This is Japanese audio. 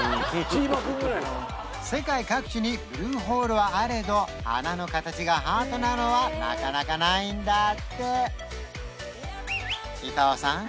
世界各地にブルーホールはあれど穴の形がハートなのはなかなかないんだって伊藤さんこの絶景を堪能したいなら